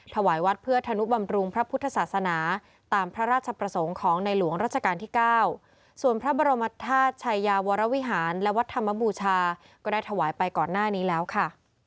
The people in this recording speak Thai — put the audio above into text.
ถวายวัดเพื่อธนุบำรุงพระพุทธศาสนาตามพระราชประสงค์ของในหลวงราชการที่๙ส่วนพระบรมธาตุชัยยาวรวิหารและวัดธรรมบูชาก็ได้ถวายไปก่อนหน้านี้แล้วค่ะ